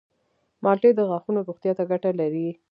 مالټې د غاښونو روغتیا ته ګټه لري.